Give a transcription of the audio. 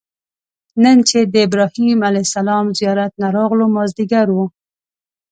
نن چې د ابراهیم علیه السلام زیارت نه راغلو مازیګر و.